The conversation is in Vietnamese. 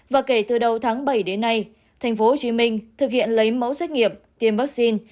và kể từ đầu tháng bảy đến nay tp hcm thực hiện lấy mẫu xét nghiệm tiêm vaccine